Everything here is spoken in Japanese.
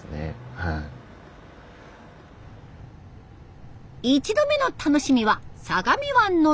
「１度目の楽しみ」は相模湾の魚。